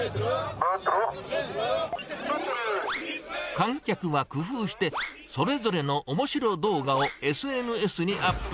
観客は工夫して、それぞれのおもしろ動画をＳＮＳにアップ。